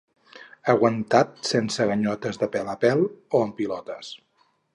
aguantat sense ganyotes de pèl a pèl o en pilotes